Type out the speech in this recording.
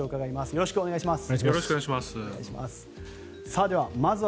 よろしくお願いします。